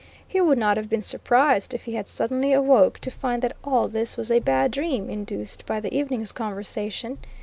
He would not have been surprised if he had suddenly awoke, to find that all this was a bad dream, induced by the evening's conversation.